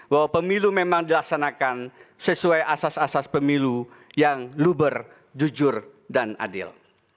bahwa pemilu memang dilaksanakan sesuai asas asas pemilu yang luber jujur dan adil